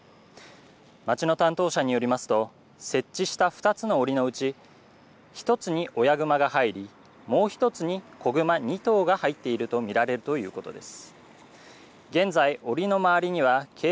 町の担当者によりますと、設置した２つのおりのうち、１つに親グマが入り、もう１つに子グマ２頭が入っていると見られるということです。